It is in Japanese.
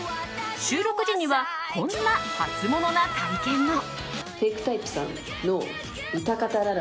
収録時にはこんなハツモノな体験も。